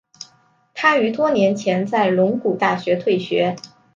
他于多年前在龙谷大学退学。